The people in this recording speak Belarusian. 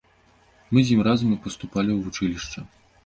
Мы з ім разам і паступалі ў вучылішча.